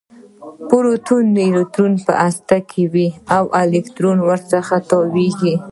پروټون او نیوټرون په هسته کې وي او الکترون ورڅخه تاویږي